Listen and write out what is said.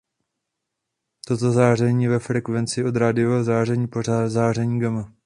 Toto záření je ve frekvenci od radiového záření po záření gama.